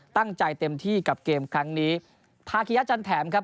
เต็มที่กับเกมครั้งนี้ทาคิยะจันแถมครับ